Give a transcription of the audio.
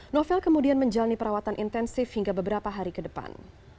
novel kemudian menjalani perawatan intensif hingga beberapa hari ke depan